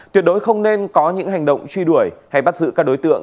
tuyệt đối không nên có những hành động truy đuổi hay bắt giữ các đối tượng